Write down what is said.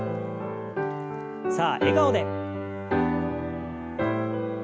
さあ笑顔で。